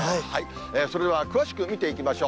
それでは詳しく見ていきましょう。